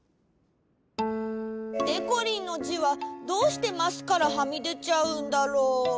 でこりんのじはどうしてマスからはみでちゃうんだろう？